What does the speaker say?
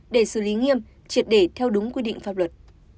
để xử lý nghiêm triệt để theo đúng quy định pháp luật